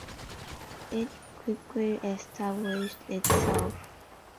It quickly established itself as a purveyor of titillation, shock, and criminal news.